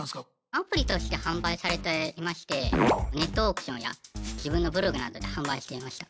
アプリとして販売されていましてネットオークションや自分のブログなどで販売していました。